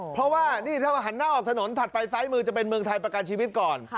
เพราะว่านี่ถ้าหันหน้าออกถนนถัดไปซ้ายมือจะเป็นเมืองไทยประกันชีวิตก่อน